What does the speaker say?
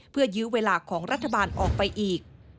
เพื่อยื้อเวลาของรัฐบาลออกไปอีก